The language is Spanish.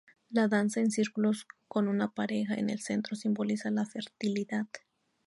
La danza en círculos con una pareja en el centro simboliza la fertilidad.